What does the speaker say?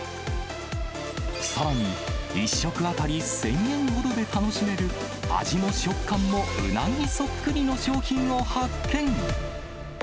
さらに、１食当たり１０００円ほどで楽しめる、味も食感もうなぎそっくりの商品を発見。